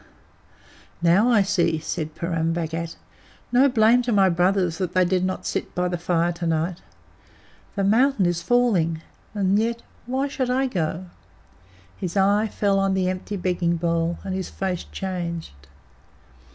"Now I see," said Purun Bhagat. "No blame to my brothers that they did not sit by the fire to night. The mountain is falling. And yet why should I go?" His eye fell on the empty begging bowl, and his face changed.